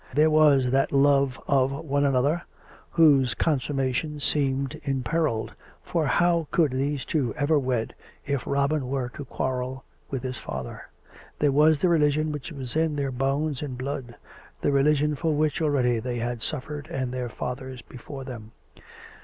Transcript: There was that love of one another, whose consummation seemed imperilled, for how could these two ever wed if COME RACK! COME ROPE! 15 Robin were to quarrel with his father? There was the Religion which was in their bones and blood — the Religion for which already they had suffered and their fathers be fore them.